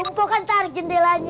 empok kan tarik jendelanya